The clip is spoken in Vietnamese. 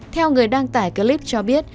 theo người đăng tải clip cho biết